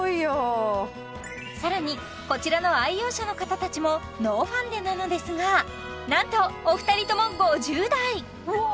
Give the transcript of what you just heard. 更にこちらの愛用者の方達もノーファンデなのですがなんとお二人とも５０代うわあ！